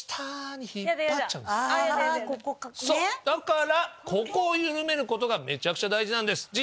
だからここを緩めることがめちゃくちゃ大事なんです。